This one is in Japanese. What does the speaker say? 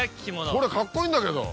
これカッコいいんだけど。